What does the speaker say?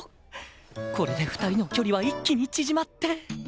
これで２人の距離は一気に縮まって